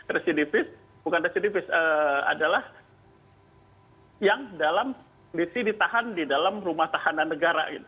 residivis bukan residivis adalah yang dalam kondisi ditahan di dalam rumah tahanan negara